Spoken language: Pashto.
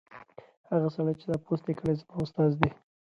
هغه سړی چې دا پوسټ یې کړی زما استاد دی.